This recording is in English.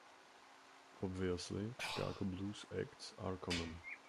Obviously, Chicago blues acts are common.